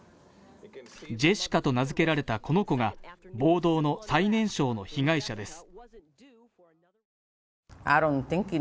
ジェシカと名付けられたこの子が暴動の最年少の被害者です。